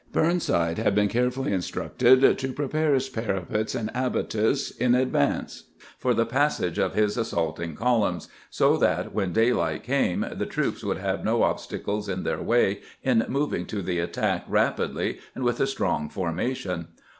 Burnside had been carefully instructed to prepare his parapets and abatis in advance for the passage of his assaulting columns, so that when daylight came the troops would have no obstacles in their way in moving to the attack rapidly and with a strong formation.